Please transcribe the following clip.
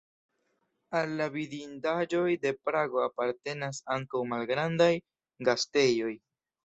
Al la vidindaĵoj de Prago apartenas ankaŭ malgrandaj gastejoj.